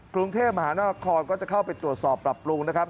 กรุงเทพมหานครก็จะเข้าไปตรวจสอบปรับปรุงนะครับ